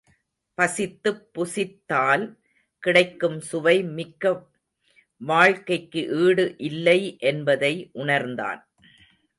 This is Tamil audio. பசித்துப் புசித்– தால் கிடைக்கும் சுவை மிக்க வாழ்க்கைக்கு ஈடு இல்லை என்பதை உணர்ந்தான்.